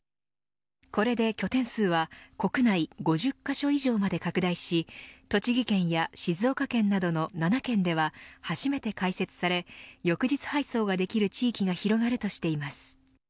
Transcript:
これで拠点数は国内５０カ所以上まで拡大し栃木県や静岡県などの７県では初めて開設され翌日配送ができる地域が広がるとしています。